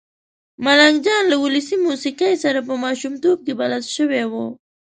ملنګ جان له ولسي موسېقۍ سره په ماشومتوب کې بلد شوی و.